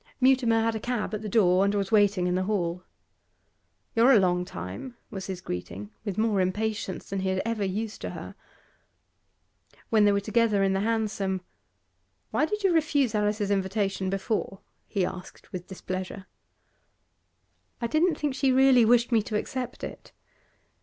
Mutimer had a cab at the door, and was waiting in the hall. 'You're a long time,' was his greeting, with more impatience than he had ever used to her. When they were together in the hansom: 'Why did you refuse Alice's invitation before?' he asked with displeasure. 'I didn't think she really wished me to accept it.